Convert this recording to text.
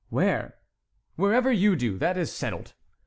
"Where?" "Wherever you do: that is settled."